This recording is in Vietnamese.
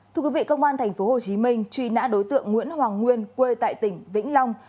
thưa quý vị công an tp hcm truy nã đối tượng nguyễn hoàng nguyên quê tại tỉnh vĩnh long